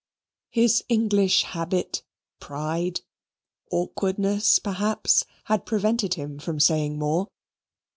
His English habit, pride, awkwardness perhaps, had prevented him from saying more.